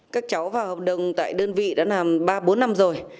các cháu vào hợp đồng tại đơn vị đã làm ba bốn năm rồi